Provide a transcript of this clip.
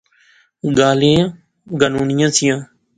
گالیں گانونیاں سیاں